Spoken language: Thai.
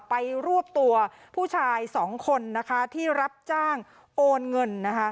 รวบตัวผู้ชายสองคนนะคะที่รับจ้างโอนเงินนะคะ